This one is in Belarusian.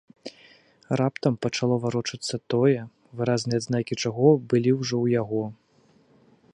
Раптам пачало варочацца тое, выразныя адзнакі чаго былі ўжо ў яго.